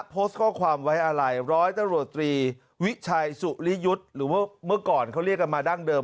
โพสต์ข้อความไว้อะไรร้อยตำรวจตรีวิชัยสุริยุทธ์หรือว่าเมื่อก่อนเขาเรียกกันมาดั้งเดิม